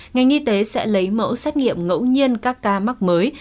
ngành y tế sẽ lấy mẫu xét nghiệm ngẫu nhiên các ca mắc mới